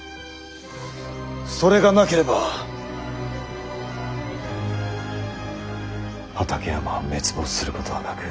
それがなければ畠山は滅亡することはなく。